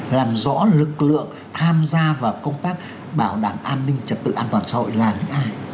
làm rõ lực lượng tham gia vào công tác bảo đảm an ninh trật tự an toàn xã hội là những ai